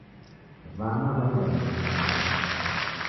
W'ana w'aida mtihani